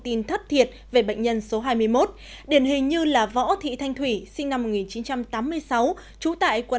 tin thất thiệt về bệnh nhân số hai mươi một điển hình như võ thị thanh thủy sinh năm một nghìn chín trăm tám mươi sáu trú tại quận